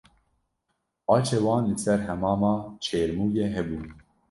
Aşê wan li ser Hemama Çêrmûgê hebû